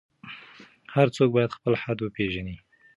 هر څوک باید خپل حد وپیژني.